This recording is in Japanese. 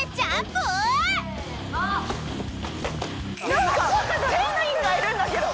何か仙人がいるんだけど！